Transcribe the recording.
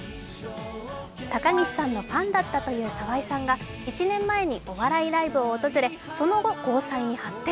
高岸さんのファンだったという沢井さんが１年前にお笑いライブを訪れ、その後交際に発展。